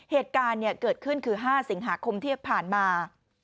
เหตุการณ์เกิดขึ้นคือ๕สิงหาคมที่ผ่านมา